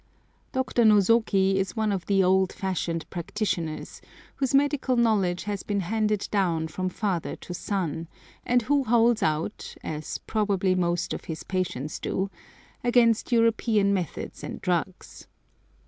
Dr. Nosoki is one of the old fashioned practitioners, whose medical knowledge has been handed down from father to son, and who holds out, as probably most of his patients do, against European methods and drugs.